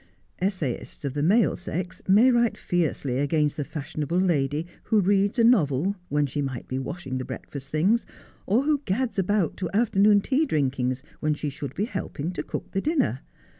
Essayists of the male ser. may write fiercely against the fashionable lady who leads a novel when she might be washing the breakfast things ; or who gads about to afternoon tea drinkings when she should be helping to cook the dinner.